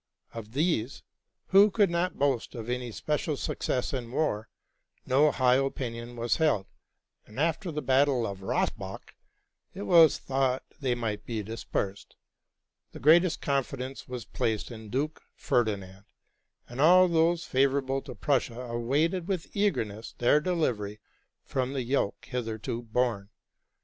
Of these, who could not boast of any special success in war, no high opinion was held; and, after the battle of Rossbach, it was thought they might be dispersed. The greatest confidence was placed in Duke Ferdinand, and all those favorable to Prussia awaited with eagerness their delivery from the yoke hitherto borne.